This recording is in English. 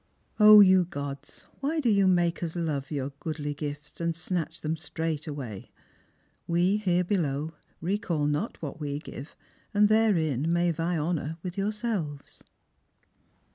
' you gods ! Why do you make us love your goodly gifts, And snatch tbem straight away ? We, here below, Recall''uot what we give, and therein may Vie honour with yourselves."